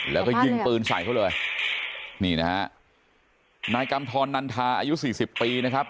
แล้วก็ยิงปืนใส่เขาเลยนี่นะฮะนายกำทรนันทาอายุสี่สิบปีนะครับ